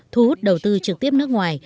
thu hút đầu tư trực tiếp nước ngoài